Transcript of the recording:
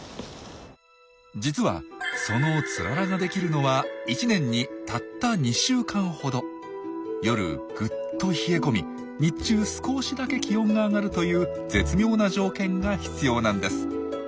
実はその夜ぐっと冷え込み日中少しだけ気温が上がるという絶妙な条件が必要なんです。